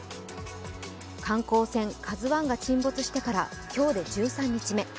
観光船「ＫＡＺＵⅠ」が沈没してから、今日で１３日目。